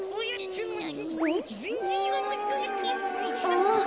あっ。